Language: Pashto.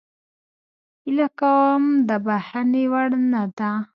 هیله کوم د بخښنې وړ نه ده